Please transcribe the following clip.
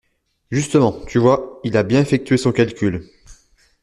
Justement, tu vois, il a bien effectué son calcul.